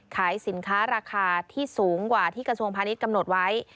ขายสินค้าราคาที่สูงกว่าที่กระทรวงพาณิชย์กำหนดไว้